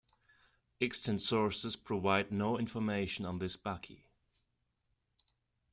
Extant sources provide no information on this Bakis.